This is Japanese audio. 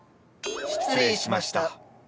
失礼しました。